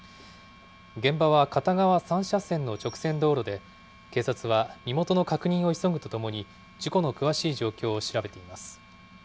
現場は片側３車線の直線道路で、警察は身元の確認を急ぐとともに、事故の詳しい状況を調べています。